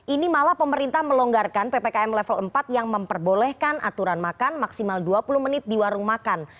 ini malah pemerintah melonggarkan ppkm level empat yang memperbolehkan aturan makan maksimal dua puluh menit di warung makan